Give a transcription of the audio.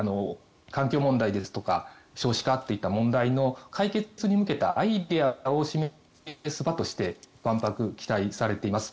環境問題ですとか少子化といった問題の解決に向けたアイデアを示す場として万博が期待されています。